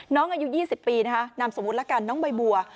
อายุ๒๐ปีนะคะนามสมมุติละกันน้องใบบัว